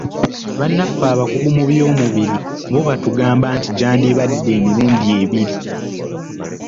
Bannaffe abakugu mu by'omubiri bo batugamba nti gyandibadde emirundi ebiri.